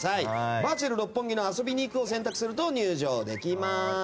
バーチャル六本木の遊びに行くを選択すると入場できます。